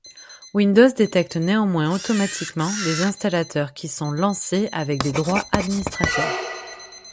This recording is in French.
Windows détecte néanmoins automatiquement les installateurs qui sont lancés avec des droits administrateur.